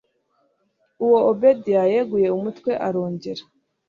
ubwo obedia yeguye umutwe arongera